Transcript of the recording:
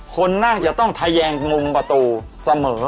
คนน่าจะต้องทะแยงมุมประตูเสมอ